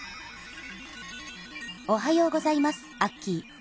おはようございますアッキー。